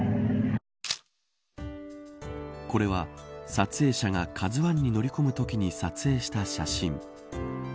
これは、撮影者がＫＡＺＵ１に乗り込むときに撮影した写真。